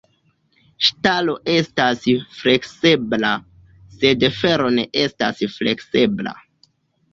Ŝtalo estas fleksebla, sed fero ne estas fleksebla.